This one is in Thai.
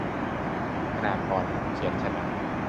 คณากร เพียรชนะ